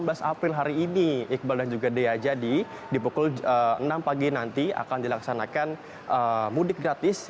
dua belas april hari ini iqbal dan juga dea jadi di pukul enam pagi nanti akan dilaksanakan mudik gratis